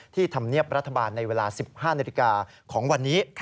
ธรรมเนียบรัฐบาลในเวลา๑๕นาฬิกาของวันนี้